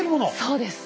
そうです。